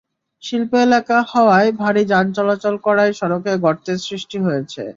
শিল্প এলাকা হওয়ায় ভারী যান চলাচল করায় সড়কে গর্তের সৃষ্টি হয়েছে।